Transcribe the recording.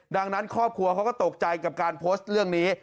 ดังนั้นครอบครัวเขาก็ตกใจกับการโพสต์เรื่องนี้